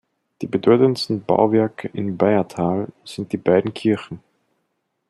Die bedeutendsten Bauwerke in Baiertal sind die beiden Kirchen.